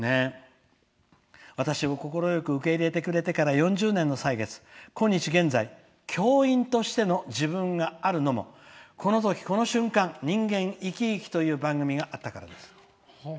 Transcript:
「私を快く受け入れてくれてから３０年の歳月今日現在、教員としての自分があるのもこのとき、この瞬間「人間いきいき」という番組があったからです。